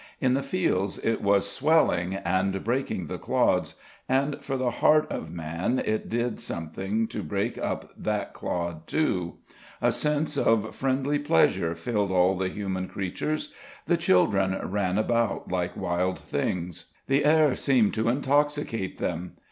In the fields it was swelling and breaking the clods; and for the heart of man, it did something to break up that clod too. A sense of friendly pleasure filled all the human creatures. The children ran about like wild things; the air seemed to intoxicate them.